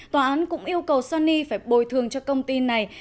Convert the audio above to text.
tòa án cũng yêu cầu sonny phải bồi thường cho công ty này